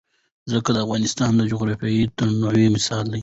ځمکه د افغانستان د جغرافیوي تنوع مثال دی.